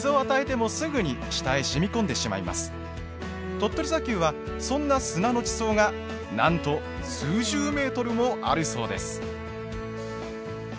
鳥取砂丘はそんな砂の地層がなんと数十メートルもあるそうです。